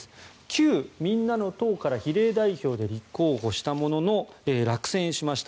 旧みんなの党から比例代表で立候補したものの落選しました。